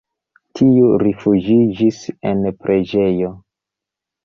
Tiu rifuĝiĝis en preĝejo.